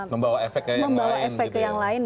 membawa efek ke yang lain membawa efek ke yang lain